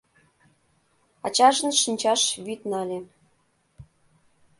Ачажын шинчаш вӱд нале.